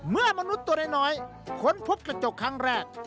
เมื่อมนุษย์ตัวน้อยน้อยค้นพบกระจกครั้งแรก